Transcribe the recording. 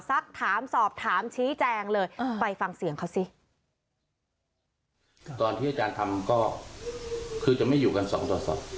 สักถามสอบถามชี้แจงเลยไปฟังเสียงเขาสิตอนที่อาจารย์ทำก็คือจะไม่อยู่กันสองต่อสอบ